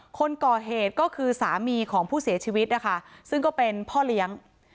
คนก่อเหตุก็คือสามีของผู้เสียชีวิตนะคะซึ่งก็เป็นพ่อเลี้ยง